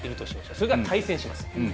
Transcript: それが対戦します。